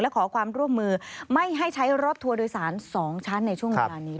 ขอความร่วมมือไม่ให้ใช้รถทัวร์โดยสาร๒ชั้นในช่วงเวลานี้